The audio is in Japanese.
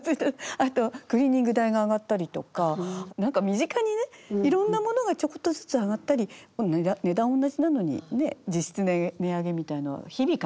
あとクリーニング代が上がったりとか何か身近にねいろんなものがちょこっとずつ上がったり値段おんなじなのに実質値上げみたいなのを日々感じます。